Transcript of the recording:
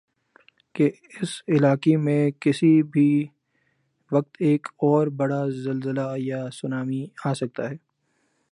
کہ اس علاقی میں کسی بھی وقت ایک اوربڑا زلزلہ یاسونامی آسکتا ہی۔